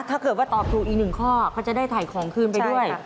ถ้าเกิดว่าตอบถูกอีกหนึ่งข้อเขาจะได้ถ่ายของคืนไปด้วย